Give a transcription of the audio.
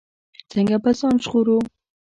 څنګه به ځان ژغورو.